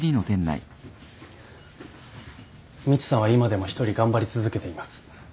みちさんは今でも一人頑張り続けています。